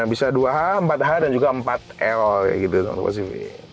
bisa dua h empat h dan juga empat l kayak gitu teman teman kemasivi